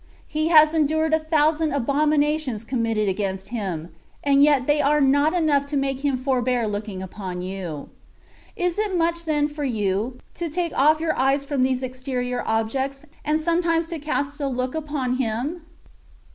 He has endured a thousand abominations com mitted against Him, and yet they were not enough to make him forbear looking upon you. Is it much then for you, to take off your eyes from these exterior objects, and sometimes to cast a look upon Him